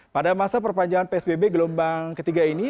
pada masa perpanjangan psbb gelombang ketiga ini